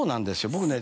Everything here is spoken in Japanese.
僕ね。